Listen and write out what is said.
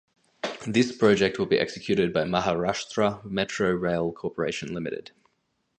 This project will be executed by Maharashtra Metro Rail Corporation Limited.